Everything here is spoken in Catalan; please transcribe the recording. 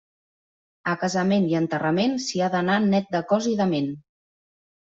A casament i enterrament s'hi ha d'anar net de cos i de ment.